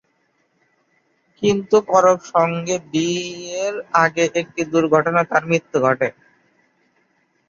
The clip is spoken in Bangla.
কিন্তু করণের সঙ্গে বিয়ের আগেই একটি দুর্ঘটনায় তার মৃত্যু ঘটে।